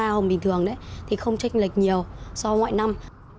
những loại hồng bình thường thì không trách lệch nhiều so với mọi năm